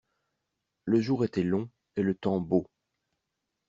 Le jour était long et le temps beau.